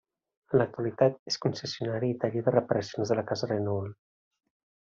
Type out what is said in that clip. En l'actualitat és concessionari i taller de reparacions de la casa Renault.